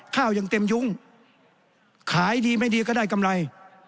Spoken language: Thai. ข้าวยังเต็มยุ้งขายดีไม่ดีก็ได้กำไร